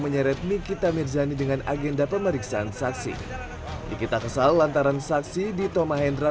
meret nikita mirzani dengan agenda pemeriksaan saksi nikita kesal lantaran saksi di tomahendra